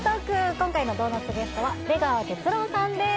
今回のドーナツゲストは出川哲朗さんです